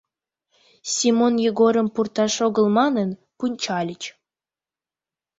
Семон Йогорым пурташ огыл манын пунчальыч.